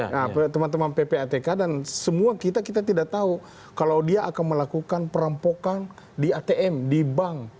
nah teman teman ppatk dan semua kita kita tidak tahu kalau dia akan melakukan perampokan di atm di bank